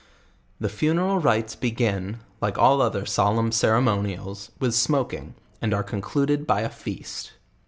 The funeral rites begin, like all other solemn ceremonials, with smoking, and are concluded by a feast.